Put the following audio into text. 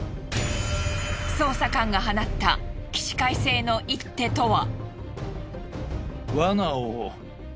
捜査官が放った起死回生の一手とは？